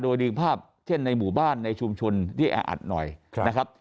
โดยมีภาพเช่นในหมู่บ้านในชุมชนที่แออัดหน่อยนะครับ